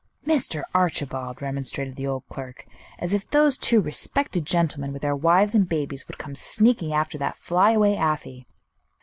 "Mr. Archibald!" remonstrated the old clerk; "as if those two respected gentlemen, with their wives and babies, would come sneaking after that flyaway Afy!"